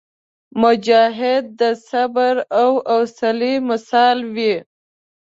مجاهد د صبر او حوصلي مثال وي.